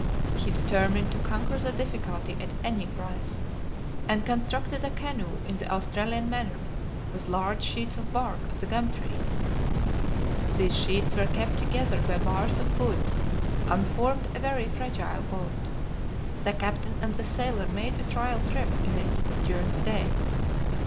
He determined to conquer the difficulty at any price, and constructed a canoe in the Australian manner, with large sheets of bark of the gum trees. These sheets were kept together by bars of wood, and formed a very fragile boat. The captain and the sailor made a trial trip in it during the day.